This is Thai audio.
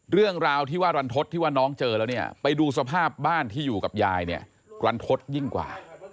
เรื่องราวที่ว่ารันทศที่ว่าน้องเจอแล้วเนี่ยไปดูสภาพบ้านที่อยู่กับยายเนี่ยรันทดยิ่งกว่า